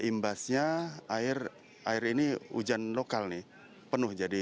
imbasnya air ini hujan lokal nih penuh jadi